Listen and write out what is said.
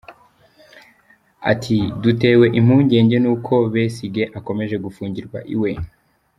Ati "Dutewe impungenge n’uko Besigye akomeje gufungirwa iwe.